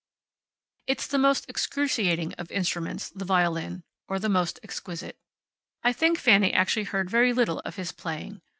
It is the most excruciating of instruments, the violin, or the most exquisite. I think Fanny actually heard very little of his playing.